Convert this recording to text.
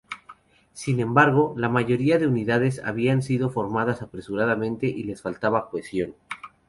Sin embargo, la mayoría de unidades habían sido formadas apresuradamente y les faltaba cohesión.